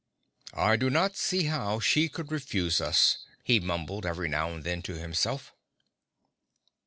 "I do not see how she could refuse us," he mumbled every now and then to himself.